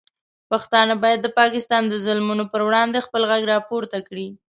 پښتانه باید د پاکستان د ظلمونو پر وړاندې خپل غږ راپورته کړي.